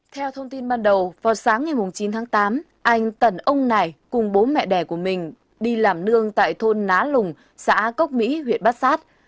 theo thông tin ban đầu vào sáng ngày chín tháng tám anh tần ông này cùng bố mẹ đẻ của mình đi làm nương tại thôn ná lùng xã cốc mỹ huyện bát sát